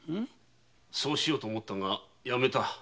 そうしようと思ったがやめた。